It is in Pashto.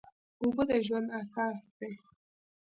اوبه د ژوند اساس دي.